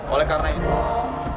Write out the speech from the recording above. oleh karena itu